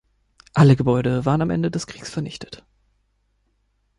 Alle Gebäude waren am Ende des Krieges vernichtet.